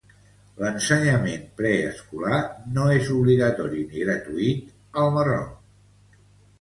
L'ensenyament preescolar no és obligatori ni gratuït al Marroc.